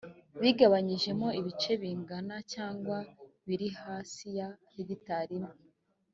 bigabanyijemo ibice bingana cyangwa biri hasi ya hegitari imwe